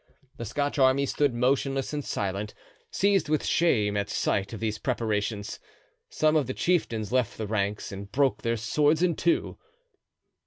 The Scotch army stood motionless and silent, seized with shame at sight of these preparations. Some of the chieftains left the ranks and broke their swords in two.